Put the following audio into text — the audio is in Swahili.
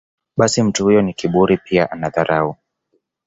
basi mtu huyo ni kiburi pia ana dharau